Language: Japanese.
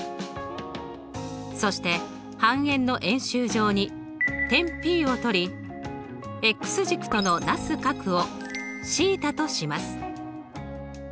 そして半円の円周上に点Ｐを取り軸とのなす角をθとします。